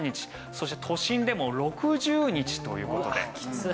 そして都心でも６０日という事でかなり。